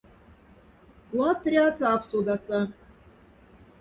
Лац-ряц аф содаса.